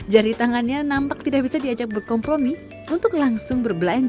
jari tangannya nampak tidak bisa diajak berkompromi untuk langsung berbelanja